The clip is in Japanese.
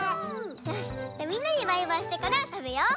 よしみんなにバイバイしてからたべよう。